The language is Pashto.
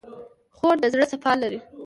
خور د زړه صفا لري.